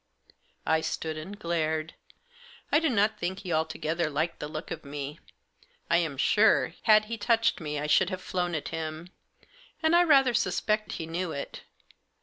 I stood and glared. I do not think he alto gether liked the look of me ; I am sure that had he touched me I should have flown at him, and I rather suspect he knew it.